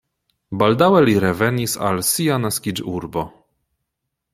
Baldaŭe li revenis al sia naskiĝurbo.